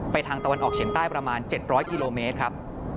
ทางตะวันออกเฉียงใต้ประมาณ๗๐๐กิโลเมตรครับ